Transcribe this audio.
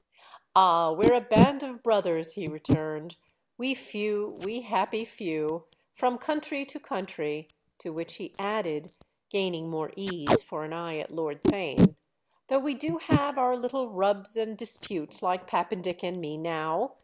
"Ah, we're a band of brothers," he returned—"'we few, we happy few'—from country to country"; to which he added, gaining more ease for an eye at Lord Theign: "though we do have our little rubs and disputes, like Pappendick and me now.